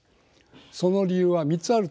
その理由は３つあると思います。